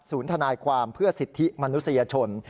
ทนายความเพื่อสิทธิมนุษยชน